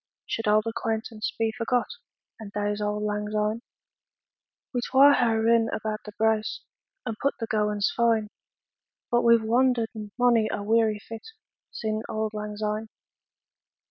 Should auld acquaintance be forgot, And days o' lang syne? We twa hae rin about the braes, 5 And pu'd the gowans fine; But we've wander'd monie a weary fit Sin' auld lang syne.